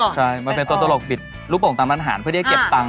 ใช่มันเป็นตัวตลกบิดลูกโป่งตามอาหารเพื่อที่จะเก็บตังค์